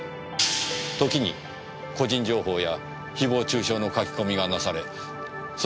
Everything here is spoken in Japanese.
時に個人情報や誹謗中傷の書き込みがなされる。